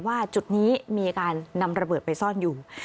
จุดนี้มีการนำระเบิดไปซ่อนอยู่